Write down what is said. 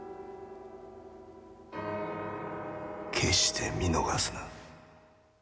決して見逃すな。